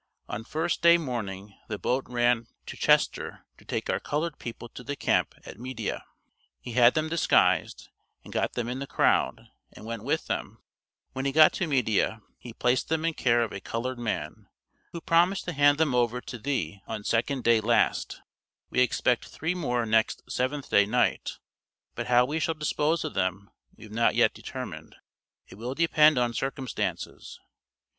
On 1st day morning the boat ran to Chester to take our colored people to the camp at Media; he had them disguised, and got them in the crowd and went with them; when he got to Media, he placed them in care of a colored man, who promised to hand them over to thee on 2d day last; we expect 3 more next 7th day night, but how we shall dispose of them we have not yet determined; it will depend on circumstances.